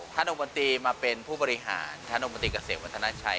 ท่านอมติมาเป็นผู้บริหารท่านอมติเกษตรวัฒนาชัย